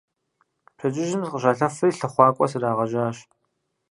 Пщэдджыжьым сыкъыщалъэфри лъыхъуакӀуэ срагъэжьащ.